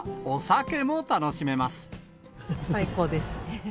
最高です。